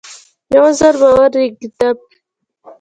یو ځل به ورېږدم.